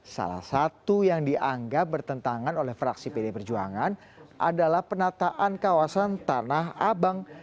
salah satu yang dianggap bertentangan oleh fraksi pd perjuangan adalah penataan kawasan tanah abang